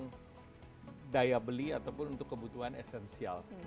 untuk daya beli ataupun untuk kebutuhan esensial